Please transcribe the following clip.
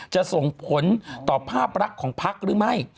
จะส่งผลต่อภาพรักของพักหรือไม่